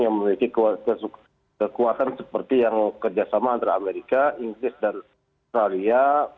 yang memiliki kekuatan seperti yang kerjasama antara amerika inggris dan australia